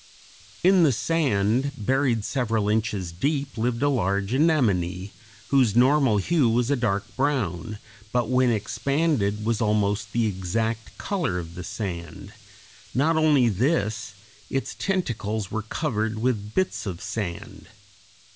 In the sand, buried several inches deep, lived a large anemone, whose normal hue was a dark brown, but when expanded was almost the exact color of the sand; not only this, its tentacles were covered with bits of sand.